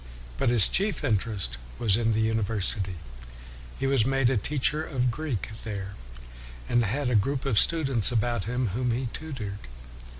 But his chief interest was in the university. He was made a teacher of Greek there, and had a group of students about him whom he tutored.